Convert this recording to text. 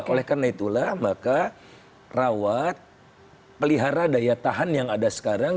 oleh karena itulah maka rawat pelihara daya tahan yang ada sekarang